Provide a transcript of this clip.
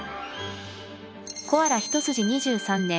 コアラ一筋２３年